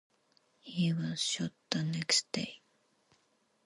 He was shot the next day.